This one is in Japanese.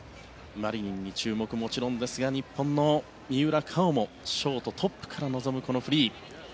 マリニンに注目もちろんですが日本の三浦佳生もショートトップから臨むフリー。